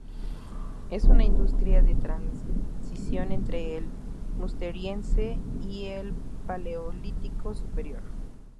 Es una industria de transición entre el Musteriense y el Paleolítico Superior.